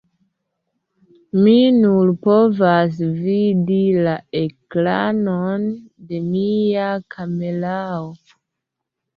Mi nur povas vidi la ekranon de mia kamerao